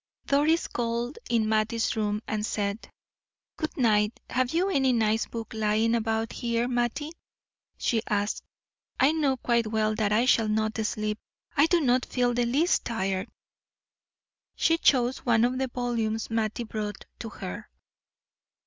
Doris called in Mattie's room and said: "Good night. Have you any nice book lying about here, Mattie?" she asked. "I know quite well that I shall not sleep; I do not feel the least tired." She chose one of the volumes Mattie brought to her.